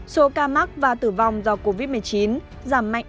số ca mắc và tử vong do covid một mươi chín giảm mạnh